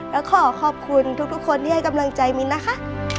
แล้วขอขอบคุณทุกคนที่ให้กำลังใจมิ้นนะคะ